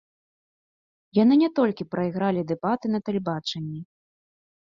Яны не толькі прайгралі дэбаты на тэлебачанні.